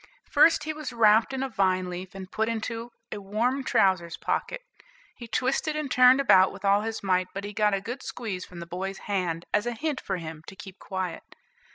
First, he was wrapped, in a vine leaf, and put into a warm trousers' pocket. He twisted and turned about with all his might, but he got a good squeeze from the boy's hand, as a hint for him to keep quiet.